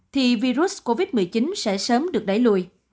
thì virus covid một mươi chín sẽ sớm được đẩy lùi